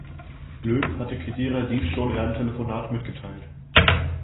Löw hatte Khedira dies schon in einem Telefonat mitgeteilt.